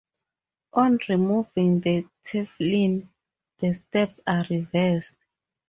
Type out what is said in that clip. On removing the tefillin, the steps are reversed.